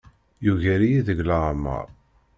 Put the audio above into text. Yugar-iyi deg leɛmeṛ.